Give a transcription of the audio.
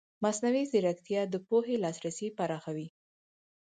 مصنوعي ځیرکتیا د پوهې لاسرسی پراخوي.